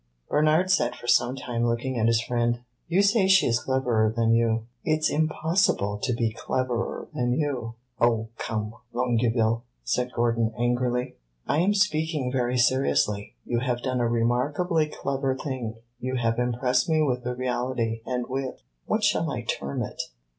Bernard sat for some time looking at his friend. "You say she is cleverer than you. It 's impossible to be cleverer than you." "Oh, come, Longueville!" said Gordon, angrily. "I am speaking very seriously. You have done a remarkably clever thing. You have impressed me with the reality, and with what shall I term it?